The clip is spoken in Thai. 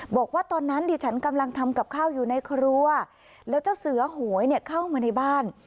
บอกว่าตอนนั้นดิฉันกำลังทำกับข้าวอยู่ในครัวแล้วเจ้าเสือหวยเนี่ยเข้ามาในบ้าน